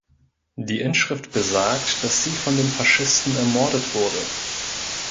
Die Inschrift besagt, dass sie „von den Faschisten ermordet“ wurde.